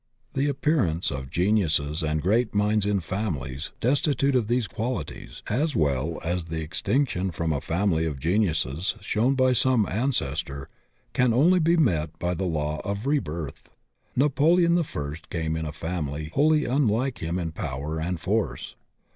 The appearance of geniuses and great minds in fam ilies destitute of these qualities, as well as the extinc tion from a family of the genius shown by some ances tor, can only be met by the law of rebirth. Napoleon the First came in a family wholly unlike him in power and force.